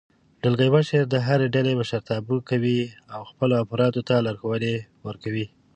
دلګی مشر د هرې ډلې مشرتابه کوي او خپلو افرادو ته لارښوونې ورکوي.